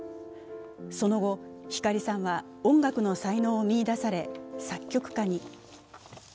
その後、光さんは音楽の才能を見いだされ作曲家に。